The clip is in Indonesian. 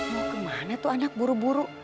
mau ke mana tuh anak buru buru